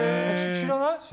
知らない。